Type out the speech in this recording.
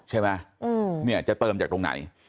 ใช่ไหมเนี่ยจะเติมจากตรงไหน